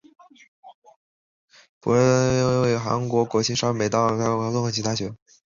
浦项工科大学是一所位于韩国庆尚北道浦项市的私立研究型综合大学。